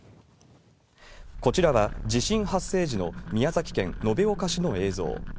こちらは地震発生時の、宮崎県延岡市の映像。